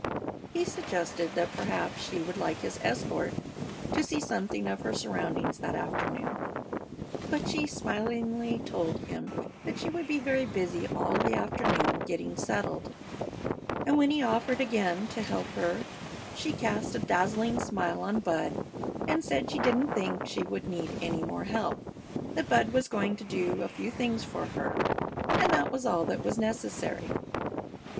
He suggested that perhaps she would like his escort to see something of her surroundings that afternoon; but she smilingly told him that she would be very busy all the afternoon getting settled, and when he offered again to help her she cast a dazzling smile on Bud and said she didn't think she would need any more help, that Bud was going to do a few things for her, and that was all that was necessary.